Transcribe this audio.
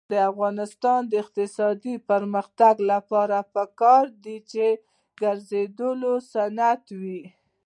د افغانستان د اقتصادي پرمختګ لپاره پکار ده چې ګرځندوی صنعت وي.